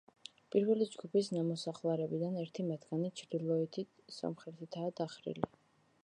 პირველი ჯგუფის ნამოსახლარებიდან ერთი მათგანი ჩრდილოეთიდან სამხრეთითაა დახრილი.